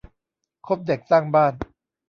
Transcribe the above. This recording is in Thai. คบเด็กสร้างบ้าน